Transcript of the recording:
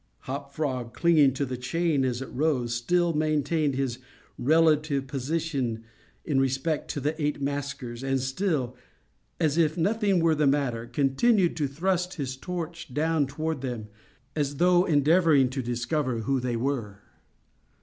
Hop Frog, clinging to the chain as it rose, still maintained his relative position in respect to the eight maskers, and still (as if nothing were the matter) continued to thrust his torch down toward them, as though endeavoring to discover who they were.